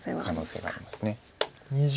可能性はあります。